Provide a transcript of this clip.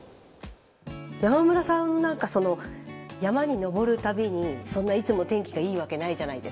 山村さん何かその山に登る度にそんないつも天気がいいわけないじゃないですか。